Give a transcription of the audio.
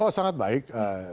oh sangat baik